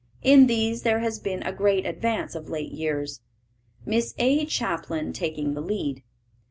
In these there has been a great advance of late years, Miss A. Chaplin taking the lead.